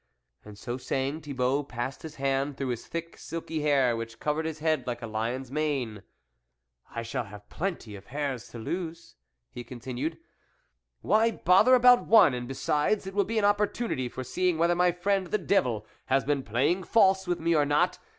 And so saying Thibault passed his hand through the thick, silky hair which covered his head like a lion's mane. " I shall have plenty of hairs left to lose, " he continued. " Why bother about one ! And, besides, it will be an opportunity for seeing whether my friend the devil has been playing false with me or not.